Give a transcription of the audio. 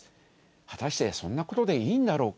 果たしてそんなことでいいんだろうか。